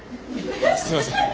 すいません。